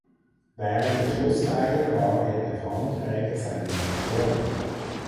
Während der Schlussfeier war er der Fahnenträger seiner Nation.